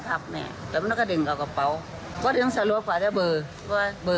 พวกเราต้องไปเดินมากับเบอร์แล้วก็นั่นแน่ยกแบบนี้แล้ว